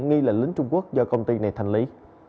nghi là lính trung quốc do công ty này thành lý